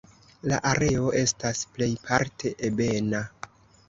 La areo estas plejparte ebena.